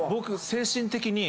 精神的に？